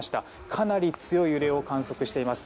かなり強い揺れを観測しています。